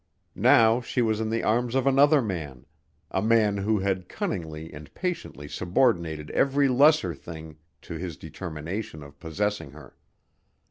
Now she was in the arms of another man a man who had cunningly and patiently subordinated every lesser thing to his determination of possessing her.